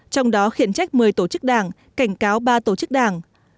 trong đó khiển trách một mươi tổ chức đảng cảnh cáo ba tổ chức đảng